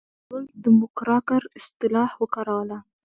روزولټ د موکراکر اصطلاح وکاروله.